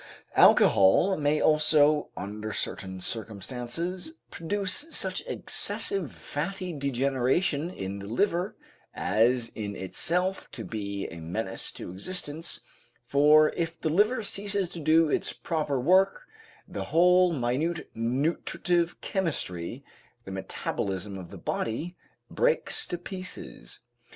Alcohol may also under certain circumstances produce such excessive fatty degeneration in the liver, as in itself to be a menace to existence, for if the liver ceases to do its proper work, the whole minute nutritive chemistry, the metabolism of the body, breaks to pieces.